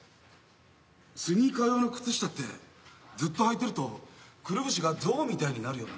「スニーカー用の靴下ってずっと履いてるとくるぶしが象みたいになるよな」